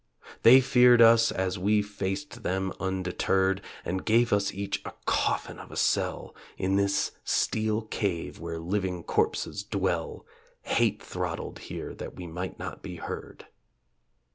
They feared us as we faced them undeterred, And gave us each a coffin of a cell In this steel cave where living corpses dwell Hate throttled here that we might not be heard.